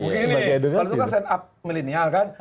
kalau itu kan stand up milenial kan